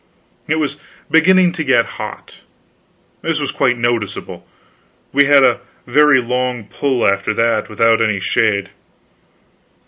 It was beginning to get hot. This was quite noticeable. We had a very long pull, after that, without any shade.